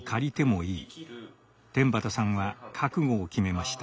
天畠さんは覚悟を決めました。